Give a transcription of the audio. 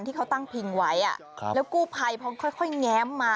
ที่เขาตั้งพิงไว้แล้วกู้ภัยพอค่อยแง้มมา